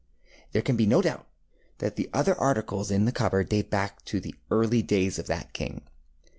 There can be no doubt that the other articles in the cupboard date back to the early days of that king.